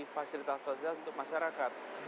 fasilitas sosial untuk masyarakat